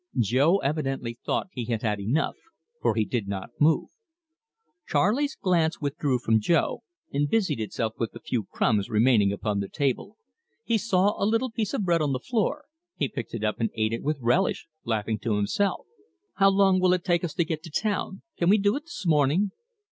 Jo evidently thought he had had enough, for he did not move. Charley's glance withdrew from Jo, and busied itself with the few crumbs remaining upon the table. He saw a little piece of bread on the floor. He picked it up and ate it with relish, laughing to himself. "How long will it take us to get to town? Can we do it this morning?"